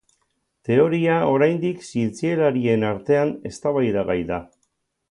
Teoria, oraindik, zientzialarien artean eztabaidagai da.